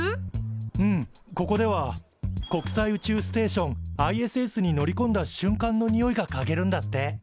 うんここでは国際宇宙ステーションＩＳＳに乗りこんだしゅんかんのにおいがかげるんだって。